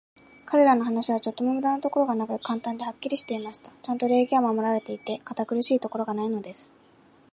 彼等の話は、ちょっとも無駄なところがなく、簡単で、はっきりしていました。ちゃんと礼儀は守られていて、堅苦しいところがないのです。